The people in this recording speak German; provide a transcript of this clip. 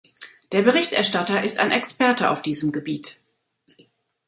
Der Berichterstatter ist ein Experte auf diesem Gebiet.